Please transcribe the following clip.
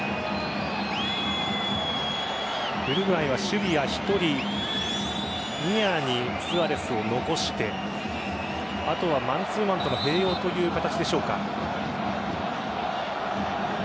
ウルグアイは守備は１人ニアにスアレスを残してあとはマンツーマンとの併用という形でしょうか。